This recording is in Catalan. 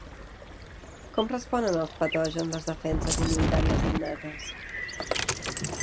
Com responen als patògens les defenses immunitàries innates?